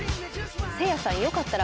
せいやさんよかったら。